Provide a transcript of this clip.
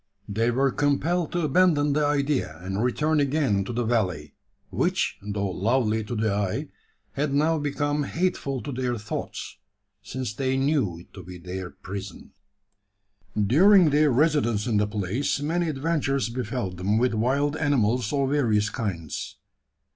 They were compelled to abandon the idea, and return again to the valley; which, though lovely to the eye, had now become hateful to their thoughts: since they knew it to be their prison. During their residence in the place, many adventures befel them with wild animals of various kinds.